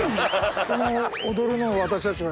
この踊るのを私たちは。